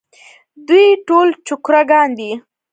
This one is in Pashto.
دوی ټول چوکره ګان دي.